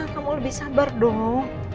kamu lebih sabar dong